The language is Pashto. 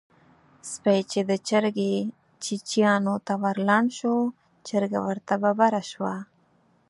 سپی چې د چرګې چیچيانو ته ورلنډ شو؛ چرګه ورته ببره شوه.